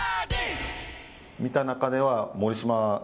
見た中では森島。